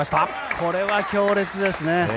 これは強烈ですね。